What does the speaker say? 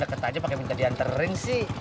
diangkat aja pake minta diantarin sih